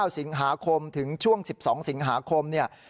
๒๙สิงหาคมถึงช่วง๑๒สิงหาคม